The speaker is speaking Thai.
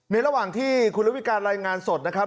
ระหว่างที่คุณระวิการรายงานสดนะครับ